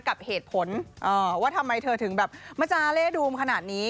กับเหตุผลว่าทำไมเธอถึงแบบมาจาเล่ดูมขนาดนี้